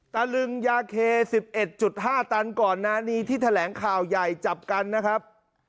ตะลึงยาเค๑๑๕ตันก่อนหน้านี้ที่แถลงข่าวใหญ่จับกันนะครับ